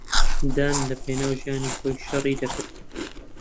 دان لەپێناو ژیانی خۆی شەڕی دەکرد.